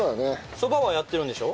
そばはやってるんでしょ？